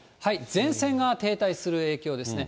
前線が停滞する影響ですね。